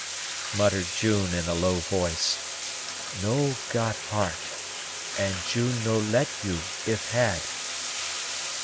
muttered June in a low voice; "no got heart, and June no let you, if had.